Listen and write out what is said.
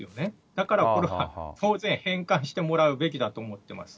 だからこれは当然、返還してもらうべきだと思ってます。